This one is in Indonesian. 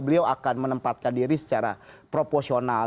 beliau akan menempatkan diri secara proporsional